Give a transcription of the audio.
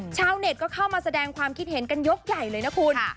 ชาวเน็ตก็เข้ามาแสดงความคิดเห็นกันยกใหญ่เลยนะคุณ